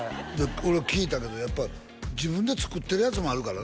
俺聞いたけどやっぱ自分で作ってるやつもあるからね